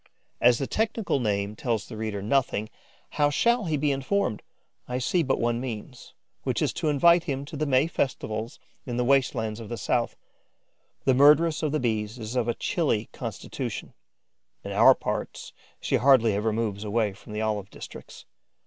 As the technical name tells the reader nothing, how shall he be informed? I see but one means, which is to invite him to the May festivals, in the waste lands of the South. The murderess of the Bees is of a chilly constitution; in our parts, she hardly ever moves away from the olive districts.